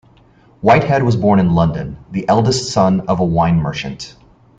Whitehead was born in London, the eldest son of a wine merchant.